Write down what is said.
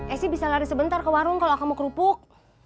esy bisa lari sebentar ke warung kalau kamu kerupuk